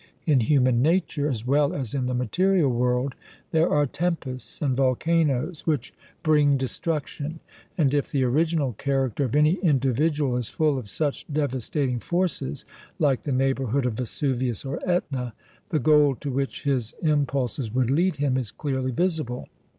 In human nature, as well as in the material world, there are tempests and volcanoes which bring destruction, and, if the original character of any individual is full of such devastating forces, like the neighbourhood of Vesuvius or Etna, the goal to which his impulses would lead him is clearly visible.